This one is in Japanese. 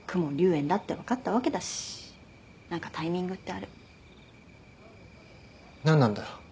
炎だってわかったわけだしなんかタイミングってあるなんなんだよ？